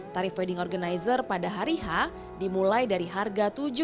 tarif wedding organizer pada hari h dimulai dari harga tujuh lima juta rupiah